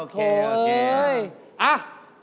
โอเคโอเค